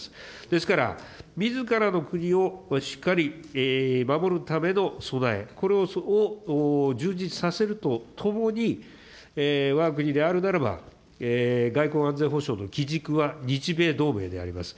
ですから、みずからの国をしっかり守るための備え、これを充実させるとともに、わが国であるならば、外交安全保障の基軸は日米同盟であります。